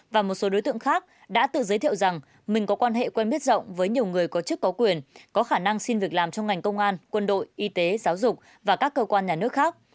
và một số đối tượng khác đã tự giới thiệu rằng mình có quan hệ quen biết rộng với nhiều người có chức có quyền có khả năng xin việc làm trong ngành công an quân đội y tế giáo dục và các cơ quan nhà nước khác